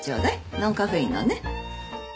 ノンカフェインのね。